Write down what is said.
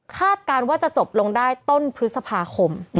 การว่าจะจบลงได้ต้นพฤษภาคม